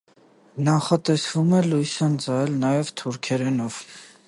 Նախատեսվում է լույս ընծայել նաև թուրքերենով։